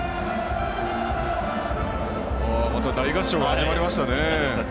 また大合唱が始まりましたね。